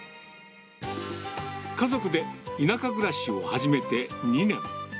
家族で田舎暮らしを始めて２年。